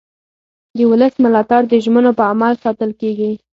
د ولس ملاتړ د ژمنو په عمل ساتل کېږي